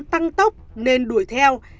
tăng tốc nên đuổi theo